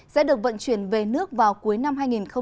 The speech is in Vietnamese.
sẽ được vận chuyển về nước vào cuối năm hai nghìn hai mươi